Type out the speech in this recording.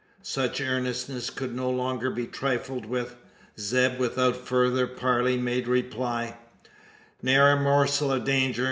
Such earnestness could no longer be trifled with. Zeb without further parley, made reply: "Ne'er a morsel o' danger.